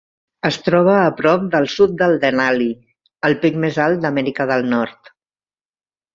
Es troba a prop del sud del Denali, el pic més alt d'Amèrica del Nord.